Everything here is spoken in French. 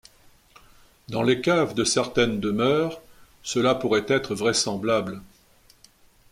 Dans les caves de certaines demeures, cela pourrait être vraisemblable.